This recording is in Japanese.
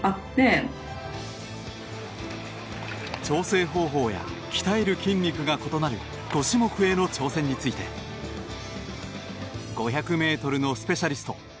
調整方法や鍛える筋肉が異なる５種目への挑戦について５００ｍのスペシャリスト